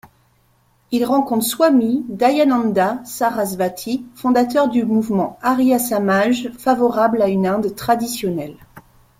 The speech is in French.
Ils rencontrent swâmî Dayânanda Sarasvatî, fondateur du mouvement Ārya-Samāj, favorable à une Inde traditionnelle.